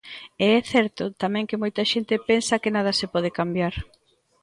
E é certo tamén que moita xente pensa que nada se pode cambiar.